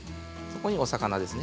ここにお魚ですね。